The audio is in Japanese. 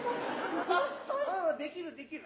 うんできるできる。